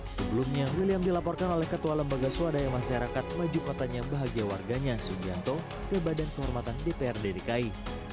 sebelumnya william dilaporkan oleh ketua lembaga swadaya masyarakat maju kotanya bahagia warganya sugianto ke badan kehormatan dprd dki